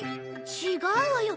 違うわよ